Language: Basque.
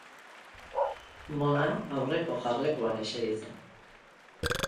Mona aurreko jarlekuan eseri zen.